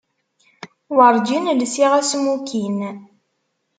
Werǧin lsiɣ asmukin.